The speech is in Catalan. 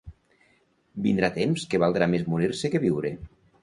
Vindrà temps que valdrà més morir-se que viure.